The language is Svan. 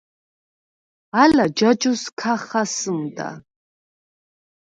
ალა ჯაჯუს ქა ხასჷმდა.